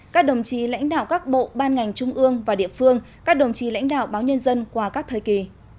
các đồng chí lãnh đạo các bộ ban ngành trung ương và địa phương các đồng chí lãnh đạo báo nhân dân qua các thời kỳ